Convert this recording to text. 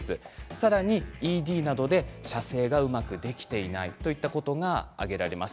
さらに、ＥＤなどで射精がうまくできていないといったことが挙げられます。